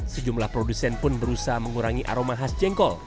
sejumlah produsen pun berusaha mengurangi aroma khas jengkol